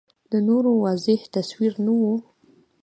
د نورو واضح تصویر نه و